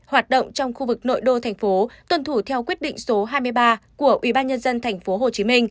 học động trong khu vực nội đô tp hcm tuần thủ theo quyết định số hai mươi ba của ubnd tp hcm